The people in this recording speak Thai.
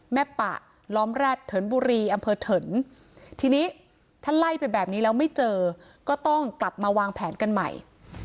ปะล้อมแร็ดเถินบุรีอำเภอเถินทีนี้ถ้าไล่ไปแบบนี้แล้วไม่เจอก็ต้องกลับมาวางแผนกันใหม่